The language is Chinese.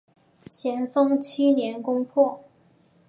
咸丰七年攻破。